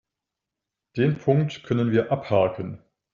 Den Punkt können wir abhaken.